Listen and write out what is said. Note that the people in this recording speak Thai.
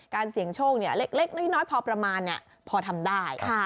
เสี่ยงโชคเล็กน้อยพอประมาณพอทำได้